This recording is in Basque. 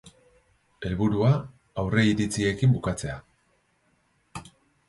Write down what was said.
Helburua, aurreiritziekin bukatzea.